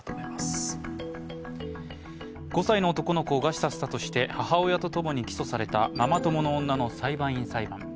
５歳の男の子を餓死させたとして母親とともに起訴されたママ友の女の裁判員裁判。